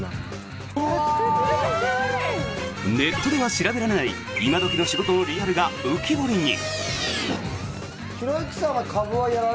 ネットでは調べられない今時の仕事のリアルが浮き彫りに。